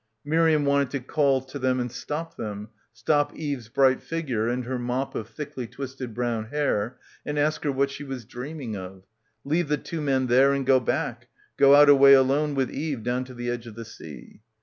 Miriam wanted to call to them and stop them, stop Eve's bright figure and her mop of thickly twisted brown hair and ask her what she was dreaming of, leave the two men there and go back, go out away alone with Eve down to the edge of the sea.